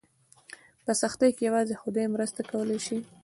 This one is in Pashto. په سختۍ کې یوازې خدای مرسته کولی شي.